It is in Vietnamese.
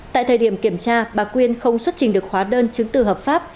tại thời điểm kiểm tra bà quyên không xuất trình được hóa đơn chứng từ hợp pháp